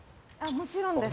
もちろんです。